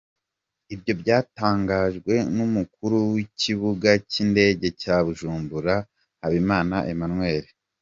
Ibyo byatangajwe n’umukuru w’ikibuga cy’indege cya Bujumbura, Habimana Emmanuel.